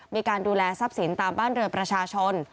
มีการดูแลทรัพย์สินตามบ้านเรือนประชาชน